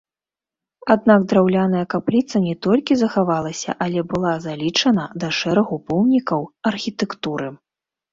Аднак драўляная капліца не толькі захавалася, але была залічана да шэрагу помнікаў архітэктуры.